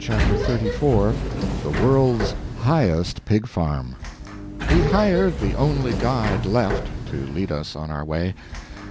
CHAPTER XXXIV [The World's Highest Pig Farm] We hired the only guide left, to lead us on our way.